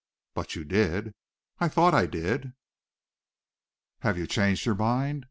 "But you did." "I thought I did." "Have you changed your mind?"